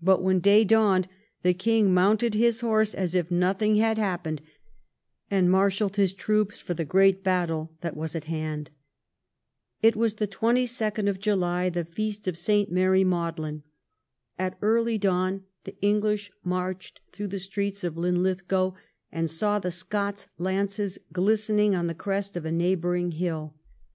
But when day dawned the king mounted his horse as if nothing had happened, and marshalled his troops for the great battle that was at hand. It was the 22nd July, the feast of St. Mary Magdalen. At early dawn the English marched through the streets of Linlitligow, and saw the Scots lances glistening on the crest of a neighbouring hill.